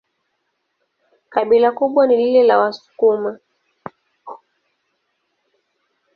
Kabila kubwa ni lile la Wasukuma.